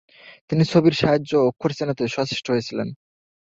তিনি ছবির সাহায্য অক্ষর চেনাতে সচেষ্ট হয়েছিলেন।